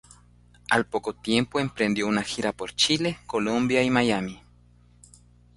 Al poco tiempo emprendió una gira por Chile, Colombia y Miami.